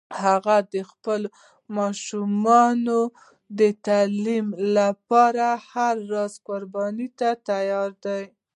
هغه د خپلو ماشومانو د تعلیم لپاره هر راز قربانی ته تیار ده